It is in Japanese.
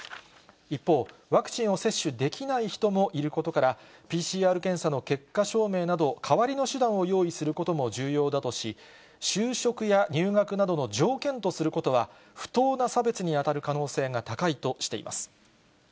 一方、ワクチンを接種できない人もいることから、ＰＣＲ検査の結果証明など、代わりの手段を用意することも重要だとし、就職や入学などの条件とすることは、不当な差別に当たる可能性が高いとしています。